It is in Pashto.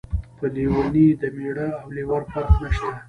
په لیونۍ د مېړه او لېوره فرق نشته.